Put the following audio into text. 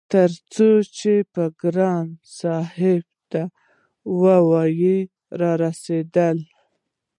تر څو چې به ګران صاحب نه وو رارسيدلی-